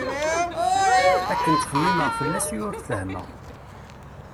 Akken ttxemmimeɣ fell-as i ur t-fehhmeɣ.